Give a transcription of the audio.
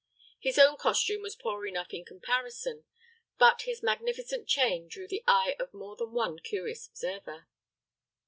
His own costume was poor enough in comparison, but his magnificent chain drew the eye of more than one curious observer.